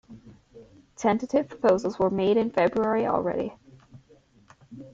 Tentative proposals were made in February already.